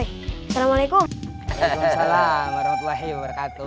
wassalamualaikum warahmatullahi wabarakatuh